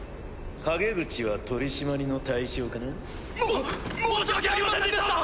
陰口は取締りの対象かな？も申し訳ありませんでした！